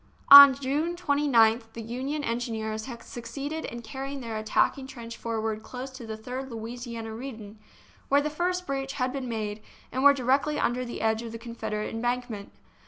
On June 29th the Union engineers had suc ceeded in carrying their attacking trench forward close to the Third Louisiana Redan, where the first breach had been made, and were directly under the edge of the Confederate embankment.